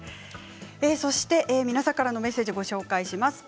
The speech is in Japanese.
皆さんからのメッセージをご紹介します。